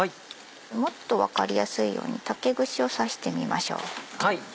もっと分かりやすいように竹串を刺してみましょう。